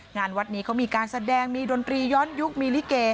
งานวัดนี้เขามีการแสดงมีดนตรีย้อนยุคมีลิเก